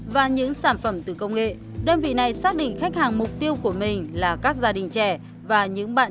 và nó đáp ứng được nhiều cái nhu cầu của khách hàng hơn